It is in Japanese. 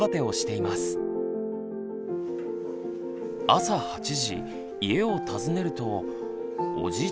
朝８時家を訪ねるとおじい